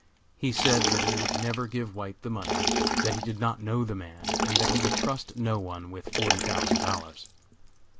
He said that he would never give White the money; that he did not know the man, and that he would trust no one with forty thousand dollars.